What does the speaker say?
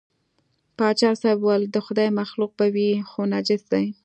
پاچا صاحب وویل د خدای مخلوق به وي خو نجس دی.